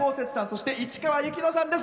そして、市川由紀乃さんです。